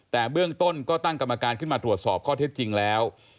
แต่เบื้องต้นก็ตั้งกรรมการขึ้นมาตรวจสอบข้อเท็จจริงแล้ว